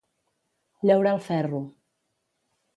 Llaurar el ferro.